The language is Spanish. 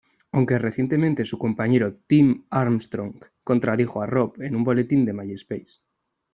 Aunque recientemente su compañero Tim Armstrong, contradijo a Rob en un boletín de MySpace.